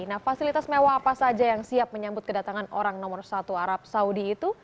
nah fasilitas mewah apa saja yang siap menyambut kedatangan orang nomor satu arab saudi itu